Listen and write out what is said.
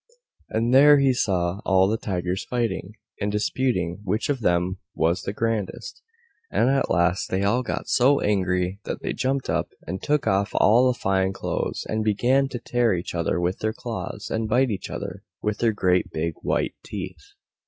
And there he saw all the Tigers fighting, and disputing which of them was the grandest. And at last they all got so angry that they jumped up and took off all the fine clothes, and began to tear each other with their claws, and bite each other with their great big white teeth.